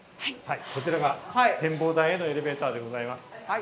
こちらが展望台へのエレベーターでございます。